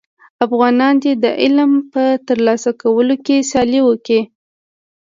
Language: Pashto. افغانان دي د علم په تر لاسه کولو کي سیالي وکړي.